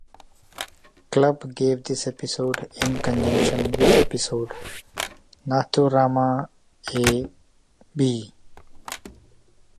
Club gave this episode, in conjunction with the episode "Naturama," a B.